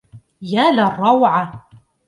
يا للروعة!